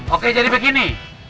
oke jadi begini